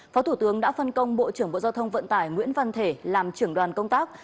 phó thủ tướng đã phân công bộ trưởng bộ giao thông vận tải nguyễn văn thể làm trưởng đoàn công tác